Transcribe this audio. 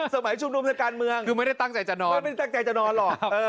สมัยชุมนุมทางการเมืองคือไม่ได้ตั้งใจจะนอนไม่ได้ตั้งใจจะนอนหรอก